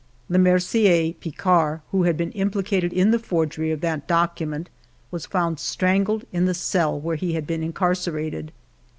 Lemercier Picard, who had been implicated in the forgery of that document, was found strangled in the cell where he had been incarcerated.